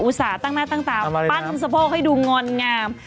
ตั้งหน้าตั้งตาปั้นสะโพกให้ดูงอนงาม